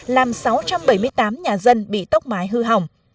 làm sáu trăm bảy mươi tám nhà dân bị tốc mái hư hỏng